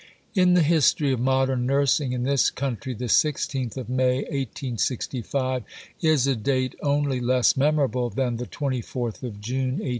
In the history of modern nursing in this country the Sixteenth of May 1865 is a date only less memorable than the Twenty fourth of June 1860.